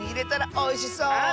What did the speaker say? おいしそう！